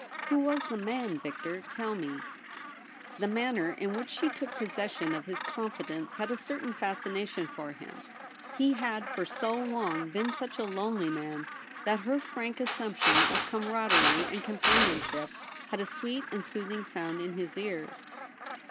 * Who was the man, Victor ? Tell me.' The manner in which she took possession of his confidence had a certain fascination for him. He had for so long been such a lonely man, that her frank assumption of cainaraderie and companionship had a sweet and soothing sound in his ears.